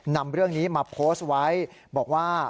นำเรื่องนี้มาโพสต์ไว้บอกว่า